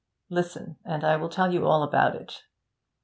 Listen, and I will tell you all about it.